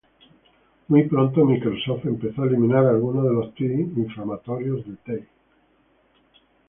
Muy pronto Microsoft empezó a eliminar algunos de los tweets inflamatorios de Tay.